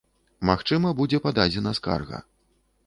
Магчыма, будзе пададзена скарга.